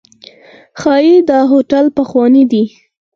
ښایي دا هوټل پخوانی دی.